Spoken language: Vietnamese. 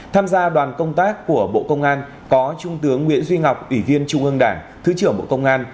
tham gia đoàn công tác của bộ công an có trung tướng nguyễn duy ngọc ủy viên trung ương đảng thứ trưởng bộ công an